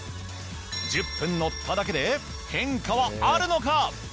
１０分乗っただけで変化はあるのか？